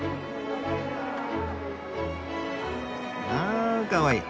あかわいい！